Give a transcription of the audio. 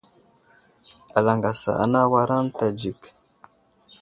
Alaŋgasa anay awara ənta adzik.